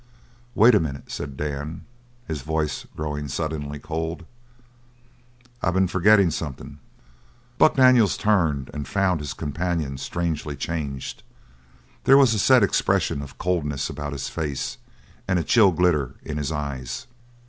"Wait a minute!" said Dan, his voice growing suddenly cold. "I been forgettin' something." Buck Daniels turned and found his companion strangely changed. There was a set expression of coldness about his face, and a chill glitter in his eyes.